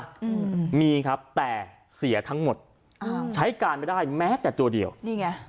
อืมมีครับแต่เสียทั้งหมดอ้าวใช้การไม่ได้แม้แต่ตัวเดียวนี่ไง